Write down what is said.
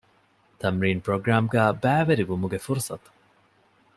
ތަމްރީން ޕްރޮގްރާމްގައި ބައިވެރިވުމުގެ ފުރުޞަތު